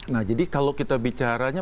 nah jadi kalau kita bicaranya